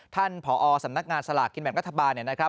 ท่านผสำนักงานสลากกินแบบกระทบาล